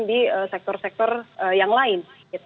di sektor sektor yang lain